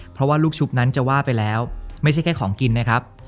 เพราะว่าลูกชุบนั้นจะว่าไปแล้วไม่ใช่แค่ของกินนะครับ